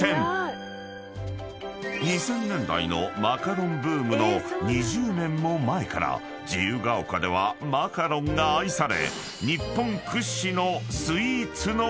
［２０００年代のマカロンブームの２０年も前から自由が丘ではマカロンが愛され］